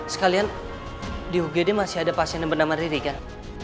sekalian di ugd masih ada pasien yang bernama rini kan